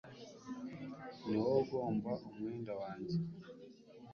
ni wowe ugomba umwenda wanjye